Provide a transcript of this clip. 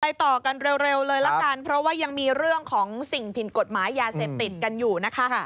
ต่อกันเร็วเลยละกันเพราะว่ายังมีเรื่องของสิ่งผิดกฎหมายยาเสพติดกันอยู่นะคะ